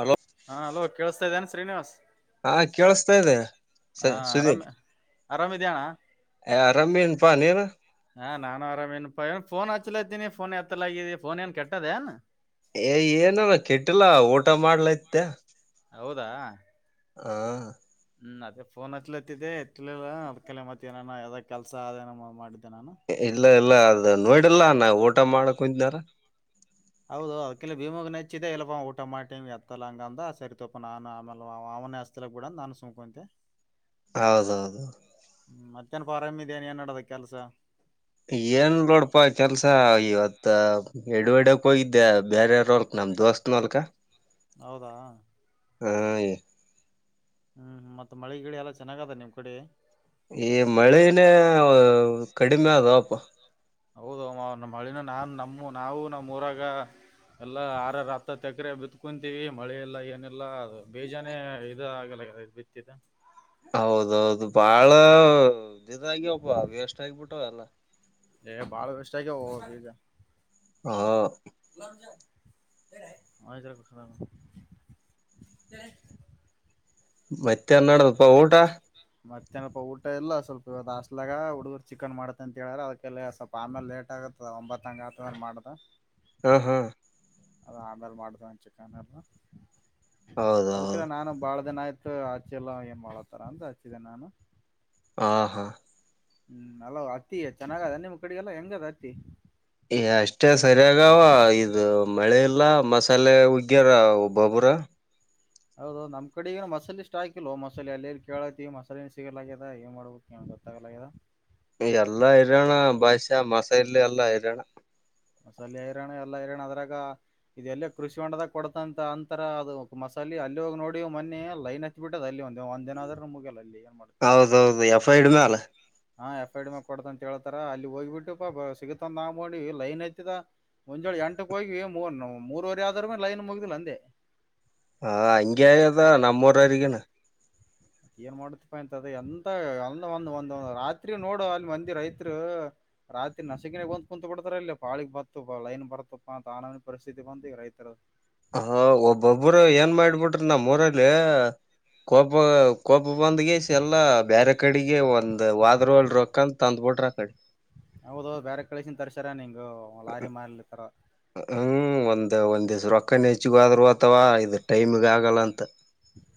Hello ಹಾ hello ಕೇಳಸ್ತಾ ಇದ್ದೇನೆ ಶ್ರೀನಿವಾಸ್. ಹಾ ಕೇಳಸ್ತಾ ಇದೆ ಸ ಸುದೀಪ್. ಅರಾಮಿದಣ್ಣ. ಯ ಆರಾಮ್ ಇನಿ ಪ ನೀನು. ಹಾ ನಾನು ಆರಾಮ ಇನಪ್ಪ ಏನ ಫೋನ್ ಹಚ್ಲಕತಿನಿ ಪೊನ್ ಎತ್ತಲಾಗಿದೀ ಫೋನ್ ಏನ್ ಕೆಟ್ಟದ ಏನ್. ಏ ಏನು ಕೆಟ್ಟಿಲ್ಲ ಊಟ ಮಾಡ್ಲ ಇತ್ತ. ಹೌದಾ. ಹಾ. ಹ್ಮ್ ಅದೇ ಫೋನ್ ಹಚ್ಲತ್ತಿದೆ ಎತ್ತಲಿಲ್ಲ ಅದಕಲೆ ಮತ್ತ ಏನಾನ ಯಾವದ ಕೆಲಸ ಅದೇನ ಮಾಡಿದ್ದೆ ನಾನು. ಇಲ್ಲ ಇಲ್ಲ ಅದು ನೋಡಿಲ್ಲ ನಾನ ಊಟ ಮಾಡಲಕ ಕುಂತನ್ನಲ. ಹೌದು ಅದಕಿಲ ಬಿಮವಗ ಅಚ್ಚಿದೆ ಇ ಲ್ಲಪ ಊಟ ಮಾಡ ಟೀಮಿಗ ಎತ್ತಲ್ಲ ಹಂಗ ಅಂದ ಸರಿತಪ್ಪ ನಾನು ಆಮೇಲಾ ಅವನ ಅಚ್ಚ ಅಚ್ಚಲಕ್ ಬಿಡು ಅಂತ ನಾನು ಸುಮ್ಮ ಕುಂತೆ. ಹೌದೌದು. ಮತ್ತೇನಫಾ ಆರಾಮ್ ಇದೇನ್ ಏನ್ ನಡದ ಕೆಲ್ಸ. ಏನಿಲ್ಲ ನೋಡಪಾ ಕೆಲ್ಸ ಇವತ್ತ. ಎಡಿ ಒಡಕ್ ಹೋಗಿದ್ದೆ ಬೇರಾರ ಹೋಲ್ಕ್ ನಮ್ ದೋಸ್ತನ ಹೋಲ್ಕ. ಹೌದಾ. ಹ್ಮ. ಹ್ಮ್ ಮತ್ತ ಮಳಿಗಿಳಿ ಎಲ್ಲ ಚೆನ್ನಾಗ ಅದ ನಿಮ್ ಕಡಿ. ಈ ಮಳಿನೇ ಕಡಿಮೆ ಆದಪ. ಹೌದೋ ಮಾವ ನಮ್ಮ ಮಳಿನ ನಾನ್ ನಮ್ಮ ನಾವು ನಮ್ಮೂ ಊರಾಗ. ಎಲ್ಲ ಆರರ ಹತ್ತ ಎಕರೆ ಬಿತ್ಕೊಂತೀವಿ ಮಳಿಲ್ಲ ಏನಿಲ್ಲ ಬಿಜಾನೇ ಇದು ಆಗಲಗ್ಯಾವ. ಬಿತ್ತಿದ. ಹೌದೌದು ಬಾಳ ದಿದುಅಗ್ಯವಪ ವೇಷ್ಟ ಆಗಬಿಟ್ಟವ ಎಲ್ಲ. ಏ ಬಾಳ ವೆಸ್ಟ್ ಆಗ್ಯಹೋ ಈಗ. ಹಾ. [unintelligible] ಮತ್ತೆ ಏನಡದಪ್ಪ ಊಟ. ಮತ್ತೆೇನಪ ಊಟ ಎಲ್ಲ ಸ್ವಲ್ಪ ಹಾಸ್ಟ್ಲಾಗ ಹುಡುಗರು ಚಿಕನ್ ಮಾಡತ ಅಂತ ಹೇಳ್ರ ಅದಕ್ಕೆಲ್ಲ ಸ್ಪ- ಆಮೇಲೆ ಲೇಟ್ ಆಗತ್ತದ ಒಂಬತ್ತು ಹಂಗ ಆತ ಮಾಡ್ದ. ಹ ಹ. ಅದ ಆಮೇಲೆ ಮಾಡತ ಚಿಕನ ಎಲ್ಲ ಹೌದೌದು ಅದಕ್ಕೆಲ್ಲ ನಾನು ಬಾಳ ದಿನ ಆಯ್ತ. ಅಚ್ಚಿಲ್ಲ ಏನ್ ಮಾಡತಾರ ಅಂತ ಹಚ್ಚಿದೆೆ ನಾನು. ಹಾ ಹಾ. ಹ್ಮ್ ಹಲೋ ಹತ್ತಿ ಚೆನ್ನಾಗದ ಅದ ನಿಮ್ಮ್ ಕಡೆಗೆಲ್ಲ ಹೆಂಗದ ಹತ್ತಿ. ಅಷ್ಟೇ ಸರಿಯಾಗವ ಇದು ಮಳೆ ಇಲ್ಲ ಮಸಾಲೆ ಉಗ್ಗ್ಯರ ಒಬ್ಬೊಬ್ಬರ. ಹೌದೌದು ನಮ್ಮ ಕಡೆಗಿನ ಮಸಾಲೆ ಇಷ್ಟ ಹಾಕಿಲೋ ಲೊ ಮಸಾಲೆ ಅಲ್ಲಿಲ್ಲಿ ಕೇಳಕತ್ತವಿ ಮಸಾಲೆ ಸಿಗರ್ಲದ ಏನ್ ಮಾಡಬೇಕ. ಏನು ಗೊತ್ತಾಗಲ್ಲಗ್ಯಾದ. ಎಲ್ಲಾ ಹೈರಾಣ ಬಾಯಷ ಮಸಲಿ ಎಲ್ಲಾ ಹೈರಾಣ. ಮಸಾಲೀ ಐರಣ ಎಲ್ಲ ಐರನಾ ಅದರಾಗ. ಇದೆಲ್ಲ ಕೃಷಿ ಒಂಡದಾಗ ಕೊಡತಂತ ಅಂತರ ಅದು ಮಸಾಲೆ ಅಲ್ಲಿ ಹೋಗಿ ನೋಡಿ ಮೊನ್ನೇ ಲೈನ್ ಹ ಅತ್ ಬಿಟ್ಟದ ಅಲ್ಲಿ ಒಂದ ದಿನ ಆದ್ರೂ ಮುಗ್ಯಾಲ ಅಲ್ಲಿ ಏನ್ ಮಾಡ- ಹೌದೌದು ಎಫ್ ಐಡಿ ಮ್ಯಾಲ. ಹಾ ಎಫ ಐ ಡಿ ಮ್ಯಾಲ ಕೊಡತ ಅಂತ ಹೇಳ್ತಾರ ಅಲ್ಲಿ ಹೋಗ್ಬಿಟ್ಟುಪಾ ಸಿಗತಂದನ ಮಾಡವಿ ಲೈನ್ ಅಚ್ಚಿ ಮುಂಜೋಳಿ ಎಂಟಕ್ ಹೋಗ್ವಿ ಮೂರ್ ಮೂರವರೆ ಆದ್ರನು ಲೈನ್ ಮುಗ್ದಿಲ್ಲ ಅಂದೆ. ಹಾ ಹಂಗೆ ಆಗ್ಯದ ನಮ್ಮೂರಗಿನು. ಏನ್ ಮಾಡತಿಪ್ಪ ಇಂತಾದ ಅದ ಎಂತ ಅಂದ ಒಂದ್ ಒಂದ ರಾತ್ರಿ ನೋಡು ಅಲ್ಲಿ ಮಂದಿ ರೈತ್ರು. ರಾತ್ರಿ ನಸಿಕಿನಗಂದ್ ಕುಂತ ಬಿಡ್ತಾರ ಇಲ್ಲ ಪಾಳಗ್ ಬತ್ತ ಲೈನ್ ಬರ್ತಪ್ಪಾ ಅಂತ ಆನಮನಿ ಪರಿಸ್ಥಿತಿ ಬಂದ ಈಗ ರೈತರದ. ಹಾ ಒಬ್ಬೊಬ್ರು ಏನ್ ಮಾಡಬಿಟ್ರ ನಮ್ಮ ಊರಲ್ಲಿ ಕೋ ಕೋಪ ಬಂದ್ಗೆಸಿ ಎಲ್ಲಾ ಬೇರೆ ಕಡೆಗೆ ಒಂದು ವಾದ್ರ ಹೋಗ್ಲಿ ರೊಕ್ಕಂತ ತಂದ್ಬಿಟ್ರ ಆ ಕಡೆಗಿ. ಹೌದು ಬೇರೆ ಕಡೆಯಿಂದ ತರ್ಸ್ಯಾರ ನಿಂಗ ಲಾರಿ ಮಾರ್ಲಿತರ. ಹ್ಮ್ ಒಂದ್ ಒಂದ ದಿವ್ಸ ರೊಕ್ಕನ ಹೆಚ್ಚಗ ಹೋದ್ರ ಹೋತವ ಇದು ಟೈಮಗ ಆಗಲ್ಲ ಅಂತ.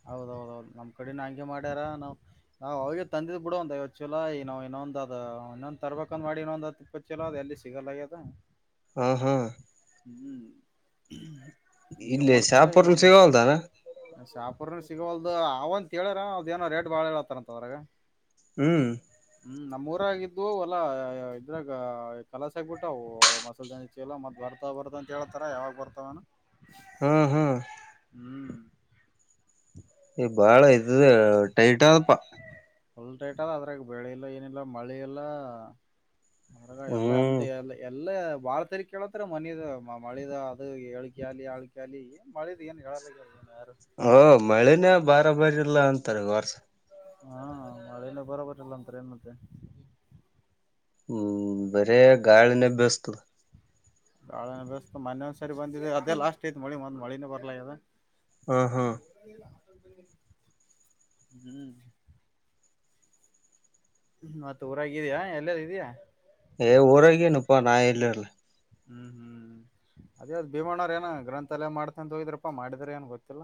ಹೌದೌದೌದು ನಮ್ ಕಡೆನು ಹಂಗೆ ಮಾಡ್ಯಾರ ನಾವು ಹಾ ಅವಗೇ ತಂದಿವ್ ಬಿಡ ಒಂದ ಐವತ್ ಚೀಲ ಈ ನಾವು ಇನ್ನೊಂದ್ ಅ ಇನ್ನೊಂದ ತರ್ಬೇಕಂದ್ ಮಾಡಿವಿ ಇನ್ನೊಂದ್ ಹತ್ ಇಪ್ಪತ್. ಚೀಲಾದ ಎಲ್ಲಿ ಸಿಗಲ್ಲ ಆಗ್ಯದ. ಹಾ ಹಾ ಹ್ಮ್ ಇಲ್ಲಿ ಶಾಪೂರ್ನು ಸಿಗಲಗ್ಯಾಡೆನ್. ಶಾಪುರ್ ಸಿಗವಲ್ದ ಅವ ಅಂತ ಹೇಳರಾ ಅದೇನು ಏನೋ ರೇಟ್ ಬಾಳ ಹೇಳತ್ತಂತದ್ರಾಗ. ಹ್ಮ್ ಹ್ಮ್ ನಮ್ಮ್ ಊರಾಗಿದ್ದವು ಅಲ್ಲಾ ಇದ್ರಾಗ ಕಲಸ ಆಗ್ಬಿಟ್ಟವು ಮಸಾಲಿ. ಚೀಲ ಮತ್ ಬರ್ತ ಬರ್ತ ಅಂತ ಹೇಳ್ತಾರ ಯವಾಗ ಬರ್ತಾವೇನ. ಹ್ಮ್ ಹ್ಮ್ ಹ್ಮ್ ಈ ಬಾಳ ಇದ ಟೈಟ್ ಆದಪ್ಪ. ಫುಲ್ ಟೈಟ್ ಅದ ಅದ್ರಾಗ ಬೆಳೆ ಇಲ್ಲ ಏನಿಲ್ಲ ಮಳೆ ಇಲ್ಲಾ. ಅದ್ರಗ ಎಲ್ಲ ಎಂತ. ಹ್ಮ್ ಎಲ್ಲ ಬಾಳ ತಲ್ಲಿ ಕೇಳತ್ರ ಮನದ ಮಳಿದು ಅದು ಹೇಳಿಕೆ ಆಗ್ಲಿ ಅಳಿಕೆ ಆಗ್ಲಿ. ಮಳಿದು ಏನ್ ಹೇಳಲಗರಾ ಏನ್ ಯಾರು. ಹ ಮಳೆನೇ ಬರ ಬಾರಿ ಇಲ್ಲಾ ಅಂತಾರ ಈ ವರ್ಷ. ಹಾ ಮಳಿನೇ ಬರಬರಿ ಇಲ್ಲ ಅಂತಾರೆ ಏನ್ ಮತ್ತೆ. ಹ್ಮ್ ಬರೇ ಗಾಳಿನೇ ಬಿಸ್ತದ. ಬಾಳೆ ವ್ಯಸ್ತ್ ಮೊನ್ನೆ ಒಂದ್ಸರಿ ಬಂದಿದೆ ಅದೇ ಲಾಸ್ಟ್ ಆಯ್ತ್ ಮತ್ತೆ ಮಳಿನೆ ಮತ್ ಬರಲ್ಲ ಆಗ್ಯದ. ಹಾ ಹಾ ಹ್ಮ್ ಮತ್ತ ಊರಾಗಿದಿಯಾ ಎಲ್ಯರ ಇದೀಯ. ಏ ಊರಗ ಇನಿಪ್ಪ ನಾ ಎಲ್ಲಿ ಇರ್ಲಿ. ಹ್ಮ್ ಹ್ಮ್. ಅದೇ ಭೀಮಣೋವರ ಏನ ಗ್ರಂಥಾಲಯ ಮಾಡ್ತ ಅಂತ ಹೋಗಿದ್ರಪ್ಪಾ ಮಾಡಿದ್ರ ಏನ್ ಗೊತ್ತಿಲ್ಲ.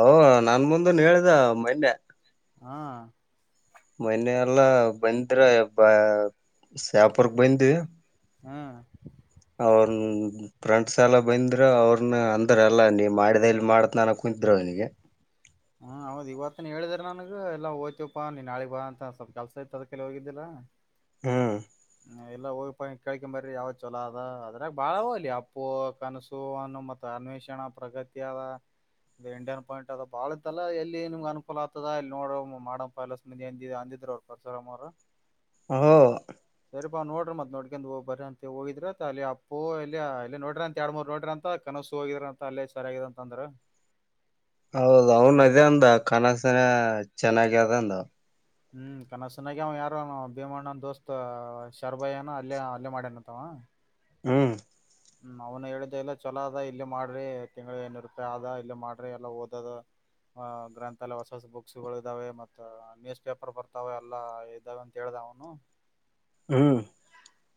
ಓ ನನ್ ಮುಂದ ಹೇಳಿದ ಮೊನ್ನೆ. ಹಾ ಮೊನ್ನೆ ಎಲ್ಲಾ ಬಂದ್ರೆ ಬ ಶಾಪೂರಕ ಬಂದವಿ. ಹಾ ಅವ್ರನು ಫ್ರೆಂಡ್ಸ್ ಸೆಲ್ಲಾ ಬಂಧ್ರು ಅವ್ರನ ಅಂದ್ರ ಎಲ್ಲಾ ನೀ ಮಾಡಿದಲ್ಲಿ ಮಾಡ್ತೀನಿ. ತಾನ ಕುಂತಿದ್ರು ಅವನಿಗೆ. ಹ್ಮ್ ಹೌದ್ ಇವತ್ತ ಹೇಳಿದ್ರ ನನಗೆ ಎಲ್ಲ ಹೋತಿವಾ ನೀನ ನಾಳಿಗೆ ಬಾ ಅಂತ ಸ್ವಲ್ಪ ಕೆಲ್ಸ ಇತ್ತು ಅದಕ್ಕೆ ಹೋಗಿದ್ದಿಲ್ಲಾ. ಹಾ ಹ ಇಲ್ಲ ಹೋಗಿ ಕೇಳ್ಕೊಂಡು ಬರಿ ಯಾವ್ದು ಚಲೋ ಅದ ಅದ್ರಾಗ ಬಾಳ ಅವ ಅಲ್ಲಿ ಅಪ್ಪು ಕನಸು ಅನ್ನೋ ಮತ್. ಅನ್ವೇಷಣ ಪ್ರಗತಿಯಾದ. ಇದು ಇಂಡಿಯನ್ ಪಾಯಿಂಟ್ ಅದ ಬಾಳ ಇತ್ತಲ್ಲ ಅಲ್ಲ ಎಲ್ಲಿ ನಿಮ್ಗೆ ಅನುಕೂಲ ಆಗ್ತದ ಅಲ್ಲಿ ನೋಡ ಮಾಡಂದಿ ಅಂದಿದ್ರರು ಅವರು. [unintelligible] ಹ ಸರಿ ನೋಡ್ರಿ ಮತ್ ನೋಡ್ಕೊಂಡ ಹೋಗಿ ಬರಿ ಅಂತ ಹೋಗಿದ್ರ ಅಲ್ಲಿ ಅಪ್ಪು ಎಲ್ಲಿ ಎಲ್ಲೇ ನೋಡ್ರಿ ಅಂತ ಎರಡ್ ಮೂರ್ ನೋಡ್ರ ಅಂತ. ಕನಸು ಹೋಗಿದ್ರ ಅಂತ ಅಲ್ಲೇ ಸರಿಯಾಗಿದೆ ಅಂತಂದ್ರ. ಹೌದ ಅವ್ನ ಅದೇ ಅಂದ [unintelligible] ಚೆನ್ನಾಗ್ಯ ಅದಂದ. ಹ್ಮ್ ಕನಸನಾಗ್ಯ ಅವ ಯಾರೋ ಭೀಮಣ್ಣನ್ ದೋಸ್ತ ಶರ್ಬಯ್ಯನ ಅಲ್ಲೇ ಅಲ್ಲೇ ಮಾಡ್ಯನಂತವ. ಹ್ಮ್ ಹ್ಮ ಅವ್ನು ಹೇಳಿದ ಎಲ್ಲ ಚಲೋ ಅದ ಇಲ್ಲಿ ಮಾಡ್ರಿ ತಿಂಗಳಿಗ್ ಐನೂರ ರೂಪಾಯಿ ಆದ ಇಲ್ಲಿ ಮಾಡ್ರಿ ಎಲ್ಲಾ ಓದದ ಹಾ ಗ್ರಂಥಾಲಯ ಹೊಸ ಹೊಸ ಬುಕ್ಸ್ಗಳು ಇದ್ದಾವೆ ಮತ್ತ ನ್ಯೂಸ್ ಪೇಪರ್ ಬರ್ತಾವ ಎಲ್ಲಾ ಇದಾವ ಅಂತ ಹೇಳ್ದ ಅವನು. ಹ್ಮ್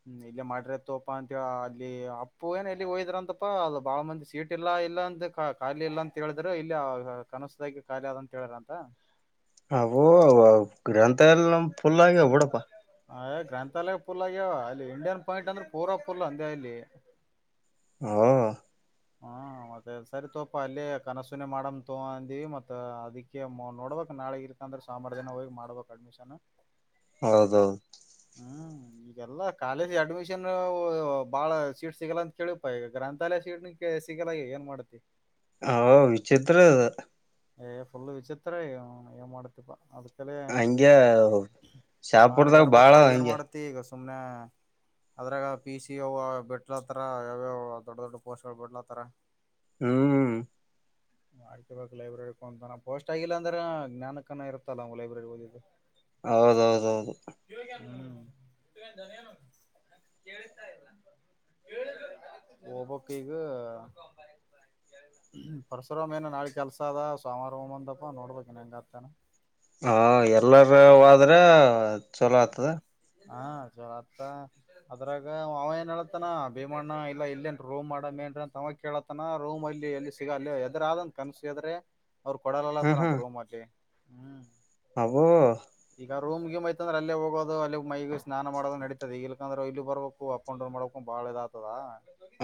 ಹ್ಮ ಇಲ್ಲೇ ಮಾಡ್ರ ಆತೋಪ್ಪಾ ಅಂತ ಅಲ್ಲಿ ಅಪ್ಪು ಏನ ಎಲ್ಲಿ ಹೋಗಿದ್ರ ಅಂತಪ್ಪ ಅದು ಬಾಳ ಮಂದಿ ಸೀಟ್ ಇಲ್ಲಾ ಇಲ್ಲ ಅಂದ ಹಾ ಖಾಲಿ ಇಲ್ಲಾ ಅಂತ ಹೇಳಿದ್ರ ಇಲ್ಲಿ ಕನಸ್ದಾಗ ಖಾಲಿ ಅದಂತ ಹೇಳಿದ್ರ ಅಂತ. ಅವು ಗ್ರಂಥಲಯ ನಮ್ಮ ಫುಲ್ ಆಗ್ಯವ ಬಿಡಪ್ಪ. ಅಯ ಗ್ರಂಥಾಲಯ ಪುಲ್ ಆಗ್ಯಾವ ಅಲ್ಲಿ ಇಂಡಿಯನ್ ಪಾಯಿಂಟ್ ಅಂದ್ರೆ ಪೂರ ಪುಲ್ ಅಂದೇ ಅಲ್ಲಿ. ಹೌದ ಹಾ ಮತ್ತ ಸರಿ ತೋಪ್ಪ ಅಲ್ಲೇ ಕನಸುನೆ ಮಾಡಂತೋ ಅಂದೀವಿ ಮತ್ತ ಅದಕ್ಕೆ ನೋಡ್ಬೇಕ ನಾಳಿಗ ಯಾಕಂದ್ರ ಸೋಮಾರ್ ದಿನಾ ಹೋಗಿ ಮಾಡ್ಬೇಕ ಅಡ್ಮಿಷನ್ ಹೌದೌದ. ಹಂ ಈಗಲ್ಲಾ ಕಾಲೇಜ್ ಅಡ್ಮಿಷನ್ ಬಾಳ ಸೀಟ್ ಸಿಗಲ್ಲ ಅಂತ ಕೇಳಿವ್ಪಾ ಈಗ ಗ್ರಂಥಾಲಯ ಸೀಟ್ನೂ ಸಿಗಲ್ಲ ಈಗ್ ಏನ್ ಮಾಡ್ತಿ? ಅವೂ ವಿಚಿತ್ರ ಅದ ಏ ಫುಲ್ ವಿಚಿತ್ರ ಏನ್ ಮಾಡ್ತಿಪಾ ಅದ. ಹಂಗೆ [unintelligible] ಮಾಡ ಶಾಪುರ್ದಾಗ ಬಾಳ ಬರ್ಬಕ್ಪ್ಪಾ ಏನ್ ಹಂಗೆ ಮಾಡ್ತಿ ಈಗ ಸುಮ್ನೆ ಅದ್ರಾಗ ಪಿ ಸಿ ಯ ಬಿಡ್ಲತ್ತರ್ ಯಾವ್ಯಾವ ದೊಡ್ಡ ದೊಡ್ಡ ಪೋಸ್ಟ್ ಗಳ ಬಿಡ್ಲತ್ತರ್. ಹ್ಮ ಹಚ್ಚ್ಬೇಕ್. ಲೈಬ್ರರಿ ಕುಂತಾನ್ ಪೋಸ್ಟ್ ಆಗಿಲ್ಲ ಅಂದ್ರ ಜ್ಞಾನಕ್ಕರ್ ಇರ್ತಲ್ಲ ಲೈಬ್ರರಿಗ್ಗ್ ಹೋಗಿದ್ದು. ಹೌದೌದೌದು. [unintelligible] ಹೋಬೆಕ್ ಈಗ್ ಪರಶುರಾಮ ಏನ ನಾಳೆ ಕೆಲ್ಸ ಅದ ಸೋಮಾರ ಹೋಗಮ್ ಅಂದಪ್ಪ ನೋಡ್ಬೇಕಿನ್ ಹೆಂಗ ಅಂತಾನ. ಹಾ ಎಲ್ಲರ ಹೋದ್ರ ಚಲೋ ಆಗ್ತದ. ಹಾ ಚಲೋ ಆತದ. ಅದ್ರಾಗ ಅವ ಏನ್ ಹೇಳತ್ತನ ಭೀಮಣ್ಣ ಇಲ್ಲ ಇಲ್ಲೇನ್ ರೂಮ್ ಮಾಡಮೇನ್ರಿ ಅಂತ ಅವಾ ಕೇಳತ್ತ ತನ ರೂಮ್ ಅಲ್ಲಿ ಎಲ್ಲಿ ಸಿಗ ಎದ್ರ ಆದಂತ ಕನಸ ಏದ್ರೆ ಅವ್ರ ಕೊಡಲಲ್ಲತರಂತ ರೂಮ್ ಅಲ್ಲಿ. ಹ್ಮ್ ಅಬ್ಬೋ ಈಗ ರೂಮ್ ಗಿಮ ಐತ ಅಂದ್ರ ಅಲ್ಲೇ ಹೋಗೋದು ಅಲ್ಲೇ ಮೈಗಿ ಸ್ನಾನ ಮಾಡೋದು ನಡಿತದ ಇಲ್ಲಿಕಂದ್ರ ಇಲ್ಲಿ ಬರ್ಬೇಕ ಕೂ ಅಪ್ ಅನ್ ಡೌನ್ ಮಾಡಕು ಬಾಳ ಇದ ಆತದ.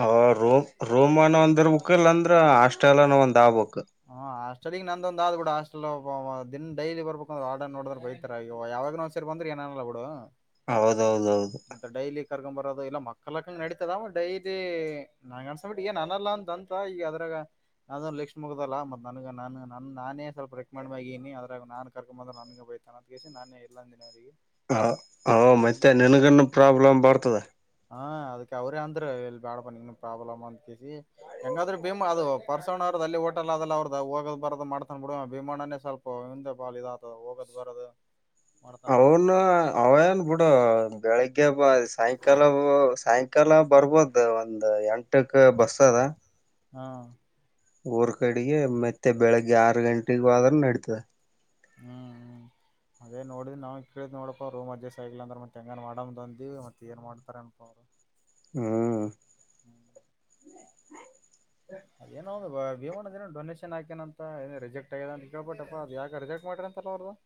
ಅ ರೂಮ್ ರೂಮ್ ನ ಒಂದ್ ಇರ್ಬಕ್ ಇಲ್ಲ ಅಂದ್ರ ಹಾಸ್ಟೆಲ್ ಅನ ಒಂದ್ ಆಬಕ್. ಹ ಹಾಸ್ಟೆಲ್ಗ್ ನಂದೊಂದ ಆದ್ ಬಿಡ ಹಾಸ್ಟಲ್ದಾಗ್ ಒಬ್ಬವ್ ಡೈಲಿ ಬರ್ಬೇಕಂದ್ರ ವಾರ್ಡನ್ ನೋಡಿದ್ರ ಬೈ ಯಾವಾಗ ಒಂದ್ ಸರಿ ಬಂದ್ರ ಏನ್ ಅನಲ್ಲಾ ಬಿಡು ಹೌದೌದೌದು ಮ ಡೈಲಿ ಕರ್ಕಂಬರದು ಇಲ್ಲ ಮಕ್ಕಳಕ್ಕನೂ ನಡಿತದದ ಡೈಲಿ ನಂಗ್ ಅನ್ಸ ಮಟ್ಟಿಗ್ ಈಗ ನಾನಲ್ಲ ಅಂತ ಅಂತ ಈಗ ಅದ್ರಾಗ ಅದೊಂದ ಲಕ್ ಮುಗದಲ್ಲಾ ಮತ್ತ ನನಗ್ ನಾನ ನಾನೇ ಸ್ವಲ್ಪ ರೆಕ್ಮೆಂಡ್ ಮ್ಯಾಲ ಆಗಿನಿ ಅದ್ರಾಗ ನಾನ ಕರ್ಕೊಂಡ್ ಬಂದ್ರ ನಂಗೆ ಅಂದ ಕೇಶಿಂದ ನಾನೇ ಇಲ್ಲ ಅಂದಿನಿ ಅವ್ರಿಗಿ. ಹ ಹ ಮತ್ತೆ ನಿನ್ಗನ್ನ ಪ್ರಾಬ್ಲಮ್ ಬರ್ತದ. ಹಾ ಅದಕ್ಕೆ ಅವ್ರೇ ಅಂದ್ರ ಇಲ್ಲಿ ಬೇಡಪಾ ನಿನಗ ಪ್ರಾಬ್ಲಮ್ ಅಂತಿದಿ. [unintelligible] ಹೆಂಗ ಆದರಾ ಭೀಮಾ ಅದು ಪಾರಸಾ ಅಣ್ಣ ಅವರದ ಅಲ್ಲಿ ಹೋಟಲ್ ಅದ ಅಲ್ಲ ಅವರದ್ದ ಹೋಗೋದ ಬರೋದು ಮಾಡ್ತಾನ್ ಬಿಡ ಭಮಾನೇ ಸ್ವಲ್ಪ. [unintelligible] ಊರಿಂದ ಬಾಲ್ ಇದ ಆತ ಹೋಗೋದು ಬರದ. [unintelligible] [unintelligible] ಅವನು ಅವ ಏನ್ ಬಿಡ ಬೆಳಿಗ್ಗೆ ಒಬ್ಬ ಸಾಯಂಕಾಲ ಹೋಗ ಸಾಯಂ [unintelligible] ಕರೆಲಾಗ ಬರ್ಬೋದ ಒಂದ್ ಎಂಟಕ್ಕ ಬಸ್ ಅದ. [unintelligible] ಹಾ. [unintelligible] ಊರ ಕಡೆಗೆ ಮತ್ತೆ ಬೆಳಗ್ಗೆ ಆರ ಗಂಟೆಗ ಹೋದಾರ ನಡಿತದ. [unintelligible] ಹಾ ಹ. [unintelligible] ಅದೇ ನೋಡಿದ ನಾವ್ ಕೇಳಿದ್ ನೋಡಕೋರೋ ಒಂದ್ ದಿವಸ ಇಲ್ಲ ಅಂದರೆ ಮತ್ತೆ ಹೆಂಗನ್ ಮಾಡೋದೋ ಅಂದಿವ ಮತ್ತ ಏನ್ ಮಾಡ್ತಾರ ಅಂತ ಅವರ. [unintelligible] ಹ. [unintelligible] ಎನೋ ಒಂದ ಬ ಭೀಮ್ನಗ ಏನೋ ಡೊನೇಶನ್ ಹಾಕ್ಯಾನ ಅಂತ ಏನ್ ರಿಜಕ್ಟ್ ಆಗ್ಯದ ಅಂತೇಳ್ಬಿಟ್ಟಪ್ಪ ಅದ ಯಾಕ ಅರ್ಜೆಂಟ್ ಮಾಡಿದರ ಅಂತಲ್ಲ ಅವರು. [unintelligible]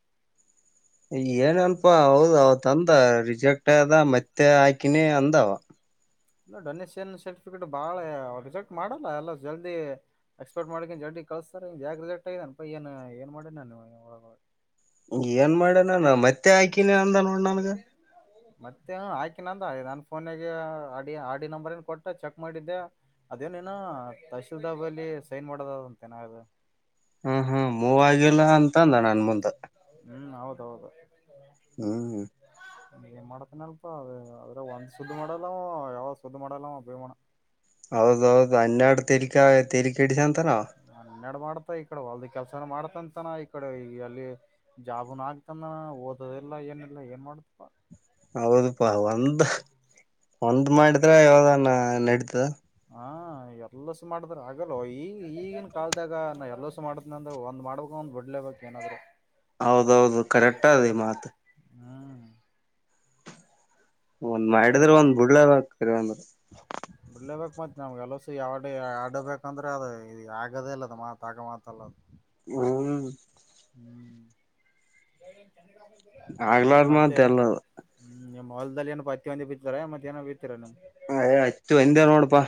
ಏನ್ ಏನ್ ಪಾ ಹೌದ ಅವತ್ತ ಅಂದ ರಿಜೆಕ್ಟ್ ಆದ ಮತ್ತೆ ಹಾಕಿನಿ ಅಂದವ. [unintelligible] ಅ ಡೊನೇಷನ್ ಸರ್ಟಿಫಿಕೇಟ್ ಬಾಳ ರೆಜೆಕ್ಟ್ ಮಾಡಲ್ಲ ಎಲ್ಲ ಜಲ್ದಿ. [unintelligible] ಎಕ್ಸ್ಪರ್ಟ್ ಮಾಡಕ್ಕಿಂತ ಜಲ್ದಿ ಕಳಿಸ್ತಾರ ಇವರ ಯಾಕ ರಿಸೆಕ್ಟ್ ಆಗ್ಯಾದ ಏನ್ ಪಾ ಏನ್ ಮಾಡಿನೀ ನಾನ ಇವಾಗ [unintelligible] ಏನ್ ಮಾಡ್ಯಾನ ನಾನ್ ಮತ್ತೆ ಹಾಕಿನಿ ಅಂದ ನೋಡ ನನಗ. [unintelligible] ಮತ್ತೆ ಏನೋ ಹಾಕಿನಂದ ನನ್ನ ಪೋನ್ ನ್ಯಾಗ ಆಡಿ ಆಡಿ ನಂಬರ್ ಏನ್ ಕೊಟ್ಟ ಚೆಕ್ ಮಾಡಿದ್ದೆ. [unintelligible] ಅದೇನೇನು ತಹಶೀಲ್ದಾರ ಬರ್ಲಿ ಸೈನ್ ಮಾಡೋದದ ಅಂತ ನಾಳೆ ಬರೀ. [unintelligible] ಹೂ ಹೂ ಮೂವಗಿಲ್ಲ ಅಂತ ಅಂದ ನನ್ನ ಮುಂದ. [unintelligible] ಹೂ ಹೌದ ಹೌದ. ಹ್ಮ್ [unintelligible] ಏನ್ ಮಾಡತನ ಏನಪ್ಪಾ ಅ ಅದರಾಗ ಒಂದ್ ಸುದ್ದ ಮಾಡಲ್ಲವ ಯಾವಗ ಸುದ್ದ ಮಾಡಲ್ಲವ ಭೀಮಣ್ಣ. [inaudible] [unintelligible] ಹೌದ ಹೌದ ಹನ್ನೆರಡ ತೆಲಕಾ ತೇಲೀಕೆಡಿಸಕೊಂತನ ಅವ. [unintelligible] ಹನ್ಯಾಡ ಮಾಡ್ತ ಈ ಕಡೆ ಹೊಲ್ದಿ ಕೆಲಸನು ಮಾಡ್ತ ಅಂತಾನ ಈ ಕಡೆ ಏಲ್ಲಿ. [inaudible] [unintelligible] ಜಾಬನು ಆಗ್ತಂದ ಅಂದಾನ ಓದೋದಿಲ್ಲ ಏನಿಲ್ಲಾ ಏನ್ ಮಾಡತಿಪ್ಪಾ. [unintelligible] ಹೌದಪಾ ಒಂದ ಒಂದ್ ಮಾಡಿದ್ರೆ ಯಾವದಾನ ನಡೀತದ. [unintelligible] ಹಾ ಎಲ್ಲಸು ಮಾಡಿದ್ರ ಆಗೋಲ್ಲೋ ಈ ಈಗಿನ ಕಾಲದಗ ನಾ ಎಲ್ಲಸು ಮಾಡಸ [unintelligible] ಸಿನಂದರ ಒಂದ್ ಮಾಡಬೇಕ ಒಂದ್ ಬಿಡಿಲೆ ಬೇಕ ಏನಾದ್ರು. [inaudible] [unintelligible] ಹೌದ ಹೌದು ಕರೆಕ್ಟ್ ಅದ ಈ ಮಾತ್. [unintelligible] ಹೂ. [unintelligible] ಒಂದ್ ಮಾಡಿದ್ರೆ ಒಂದ್ ಬುಳ್ಳಲ್ಲೇ ಬೇಕ ಕರೆಂದರು. [unintelligible] [unintelligible] ಬಿಡಲೇ ಬೇಕ ಮತ್ತ ನಮಗ ಅನಸ್ತು ಯಾವ ಡೇ ಆಡಬೇಕಂದ್ರೆ ಅದ ಈ ಆಗದೇ ಇಲ್ಲದ ಮಾತ್ ಆಗ ಮಾತ ಅಲ್ಲದ. [unintelligible] ಹೂ. [unintelligible] ಹೂ ಆಗ್ಲಾರ ಮತ್ತೆ. ಮಾತ್ ಎಲ್ಲ [inaudible] [unintelligible] ಹೂ ನಿಮ್ಮ ಹೊಲದಲ್ಲಿ ಏನೋ ಪತ್ತಿ ಒಂದಿ ಬಿತ್ತರಾ ಏನ್ ಮತ್ತ ಏನರ ಬತ್ತೀರ ಅಲ್ಲ ನೀವ್. [unintelligible] ಏ ಅಚ್ಚು ಹಿಂದೆ ನೋಡಪಾ?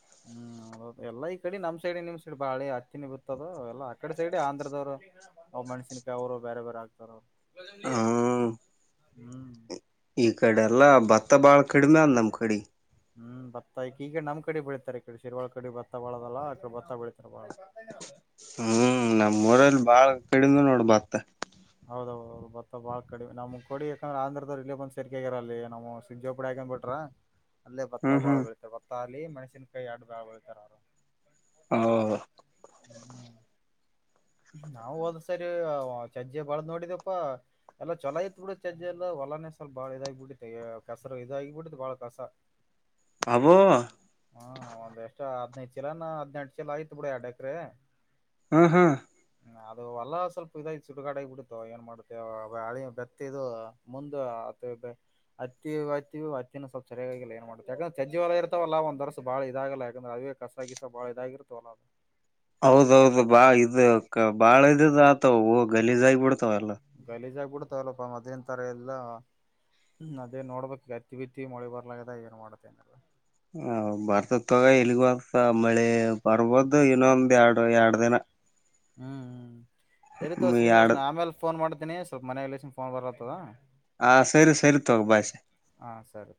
[unintelligible] [unintelligible] ಮತ್ತ ಎಲ್ಲ ಈ ಕಡೆ ನಮ್ಮ ಸೈಡ್ ನಿಮ್ಮ ಸೈಡ್ ಬಾಳಿ ಹಚ್ಚಿನಿ ಬಿತ್ತದ ಎಲ್ಲಾ ಆಕಡೆ ಸೈಡ್ ಆಂಧ್ರದವರು. [unintelligible] ಅವ ಮೆಣಸಿನಕಾಯಿ ಅವರು ಬೇರೆ ಬೇರೆ ಹಾಗ್ತಾರ ಅವರ್. [inaudible] [unintelligible] ಹ್ಮ್ ಹೂ. [unintelligible] ಈ ಕಡೆ ಎಲ್ಲಾ ಭತ್ತ ಬಾಳ ಕಡಿಮೆ ಅಂದ ನಮ್ಮ ಕಡೆಗೆ. [unintelligible] ಹೂ ಭತ್ತ ಈಕೀಗ ನಮ್ಮ ಕಡೆ ಬೆಳೀತಾರೆ ಈಡೆ ಶರ್ವಾಳ ಕಡೆ ಭತ್ತ ಬಾಳ ಅದಲ್ಲಾ ಅತ್ತಾಗ ಭತ್ತ ಬೆಳೀತಾರ ಬಾಳ. [unintelligible] ಹೂ ನಮ್ಮ ಊರಲ್ಲಿ ಬಾಳ ಕಡಮ ನೋಡ ಬತ್ತ. [unintelligible] ಹೌದ ಹೌದು ಭತ್ತ ಬಾಳ ಕಡಿಮೆ ನಮಗ ಕೊಡಿ ಯಾಕಂದ್ರ ಆಂಧ್ರದ್ರ ಇಲ್ಲಿ ಬಂದ ಸೇರಕೇ ಆಗ್ಯಾರ್ ಅಲ್ಲಿ ನಮ್ಮ ಸಿಂಗ ಬಿಡಕಾ ಅಂತ ಬಿಟ್ಟರ. [unintelligible] [unintelligible] ಅಲ್ಲೇ ಭತ್ತಾ ಹ್ಮ್ ಬಾಳ್ ಹ್ಮ್ ಬೆಳಿತಾರ ಭತ್ತಾ ಅಲ್ಲಿ ಮೆಣಸಿನಕಾಯಿ ಎರಡು ಬ್ಯಾಳ್ ಬೆಳಿತಾರ ಅವರು. ಹ ಹುಂ ನಾವು ಹೋದ್ ಸರಿ ಚಜ್ಜೆ ಬೆಳದ್ ನೋಡಿದಪ್ಪಾ ಎಲ್ಲ ಚಲೋಐತ್ ಬಿಡ ಚಜ್ಜಿ ಎಲ್ಲ ಹೊಲನೆಸೆಲಾ ಬಾಳ ಇದಾಗಿ ಬಿಟ್ಟಿತಿ ಕಸರ ಇದಾಗಿ ಬ ಬಿಟ್ಟಿತ್ ಬಾಳ ಕಸ ಅಬ್ಬಬ್ಬಾ ಹ್ಮ ಒಂದ್ ಎಷ್ಟ್ ಹದಿನೈದು ಚೀಲನ ಹದಿನೆಂಟು ಚೀಲ ಆಯ್ತು ಬಿಡ ಅ ಎಡ ಎಕ್ರೆ ಹಾ ಹಾ ಹ ಅದು ಹೊಲ್ಲ ಸ್ವಲ್ಪ ಇದಾಗಿ ಸುಡಗಾಡ ಆಗಿ ಬಿಡತು ಏನ್ ಮಾಡುತ್ತೇಳಿ ಬೆತ್ತ ಇದು ಮುಂದ ಅತ ಇದೆ ಹತ್ತಿ ಅತ್ತಿ ಹತ್ತಿನ ಸ್ವಲ್ಪ ಸರಿಯಾಗಿಲ್ಲ ಏನ್ ಮಾಡತೆ ಯಾಕಂದ್ರೆ ಚಜಿ ಹೋಲಾ ಇರ್ತವಲ್ಲ ಒಂದ್ ವರ್ಷ ಬಾಳ ಇದಾಗಲ್ಲ ಯಾಕಂದ್ರೆ ಅವೇ ಕಸ ಗಿಸಾ ಬಾಳ ಇದಾಗಿರ್ತವ ಅಲ್ಲಾ ಅದು ಹೌದೌದು ಬಾಳ ಇದು ಬಾಳ ಇದುದ ಆಗಿಬಿಡತಾವ ಗಲೀಜ್ ಆಗಿ ಬಿಡ್ತಾವ ಎಲ್ಲಾ ಗಲೀಜಾಗ ಬಿಡ್ತಾವಲಪ್ಪ ಮದ್ನ್ ತರಾ ಎಲ್ಲಾ ಹ್ಮ ಅದೇ ನೋಡ್ಬೇಕು ಎತ್ತಿ ಬಿತ್ತಿ ಮಳಿ ಬರ್ಲದ ಏನ್ ಮಾಡ್ತೇನ್ ಹ ಬರ್ತದ ತಗೋ ಎಲ್ಲಿಗ ಹೋಗ್ತದ ಮಳಿ ಬರ್ಬೋದು ಇನ್ನೊಂದ ಎರಡ ಎರಡ ದಿನಾ ಹ್ಮ್ ಸರಿ ತೋ ಶ್ರೀನಿವಾಸ ಎರಡ್ ನಾ ಆಮೇಲ್ ಫೋನ್ ಮಾಡ್ತಿನಿ ಸ್ವಲ್ಪ ಮನೇಲ್ಲಿ ಫೋನ್ ಬರ್ಲತ್ತದ ಹಾ ಸರಿ ಸರಿ ತಗೋ ಭಾಷಾ ಹಾ ಸರಿ.